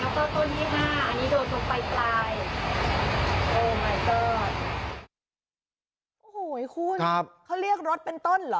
โอ้โหคุณเขาเรียกรถเป็นต้นเหรอ